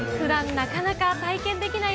なかなか丸くできない。